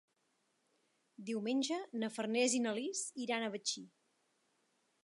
Diumenge na Farners i na Lis iran a Betxí.